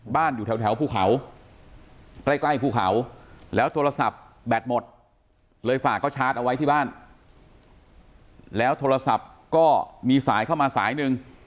อยู่แถวภูเขาใกล้ภูเขาแล้วโทรศัพท์แบตหมดเลยฝากเขาชาร์จเอาไว้ที่บ้านแล้วโทรศัพท์ก็มีสายเข้ามาสายหนึ่ง